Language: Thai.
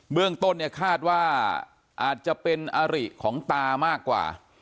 เบื้องต้นคาดว่าอาจจะเป็นอริของตามากกว่า